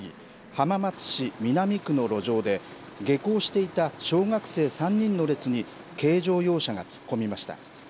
浜松市南区の路上で下校していた小学生３人の列に軽乗用車が突っ込みました。